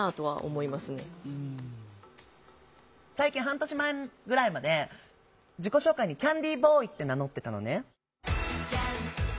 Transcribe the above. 半年前ぐらいまで自己紹介に「キャンディーボーイ」って名乗ってたのね。